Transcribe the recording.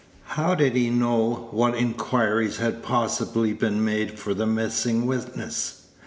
How did he know what inquiries had possibly been made for the missing witness?